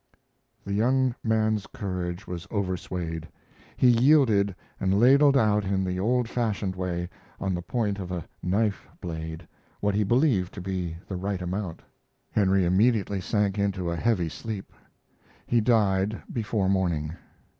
The young man's courage was over swayed. He yielded and ladled out in the old fashioned way, on the point of a knife blade, what he believed to be the right amount. Henry immediately sank into a heavy sleep. He died before morning.